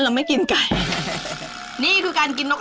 อื้อด้วยก่อน